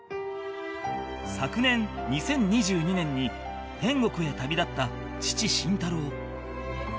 昨年２０２２年に天国へ旅立った父慎太郎